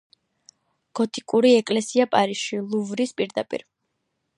გოტიკური ეკლესია პარიზში, ლუვრის პირდაპირ.